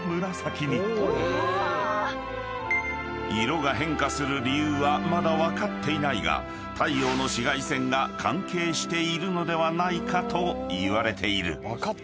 ［色が変化する理由はまだ分かっていないが太陽の紫外線が関係しているのではないかといわれている］